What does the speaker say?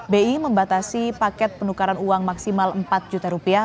bi membatasi paket penukaran uang maksimal empat juta rupiah